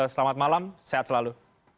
selamat malam sehat selalu